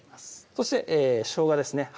そしてしょうがですね